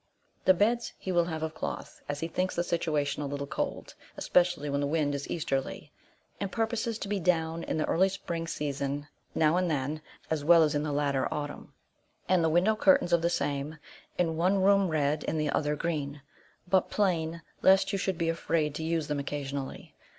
The beds he will have of cloth, as he thinks the situation a little cold, especially when the wind is easterly, and purposes to be down in the early spring season, now and then, as well as in the latter autumn; and the window curtains of the same, in one room red, in the other green; but plain, lest you should be afraid to use them occasionally.